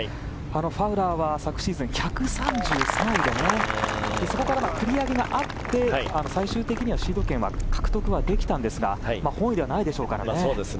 ファウラーは昨シーズン１３３位でそこからの繰り上げがあって最終的にシード権は獲得できたんですが本意ではないでしょうから。